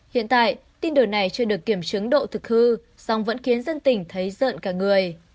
hiện tại tin đồn này chưa được kiểm chứng độ thực hư song vẫn khiến dân tỉnh thấy giợn cả người